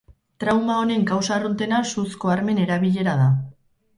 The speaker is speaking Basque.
Trauma honen kausa arruntena suzko armen erabilera da.